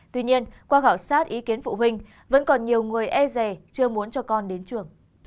tuy nhiên qua khảo sát ý kiến phụ huynh vẫn còn nhiều người e rè chưa muốn cho con đến trường